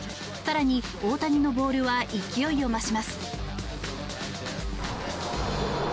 更に、大谷のボールは勢いを増します。